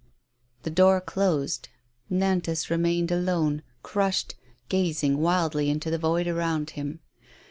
The door closed. Nantas remained alone, crushed, gazing wildly into the void around him.